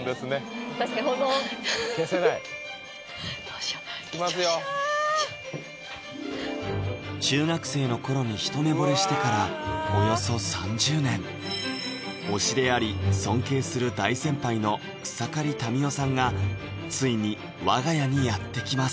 確かに保存消せない中学生の頃に一目惚れしてからおよそ３０年推しであり尊敬する大先輩の草刈民代さんがついに我が家にやって来ます